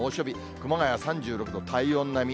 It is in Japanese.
熊谷３６度、体温並み。